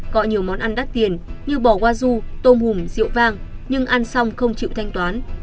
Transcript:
cọ nhiều món ăn đắt tiền như bò hoa du tôm hùm rượu vang nhưng ăn xong không chịu thanh toán